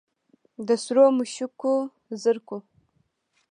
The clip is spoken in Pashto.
د سرو مشوکو زرکو